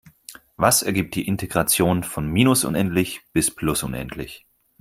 Was ergibt die Integration von minus unendlich bis plus unendlich?